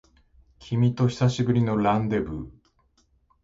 君と久しぶりのランデブー